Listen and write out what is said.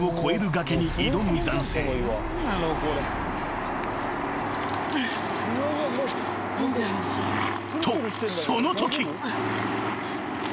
［とそのとき］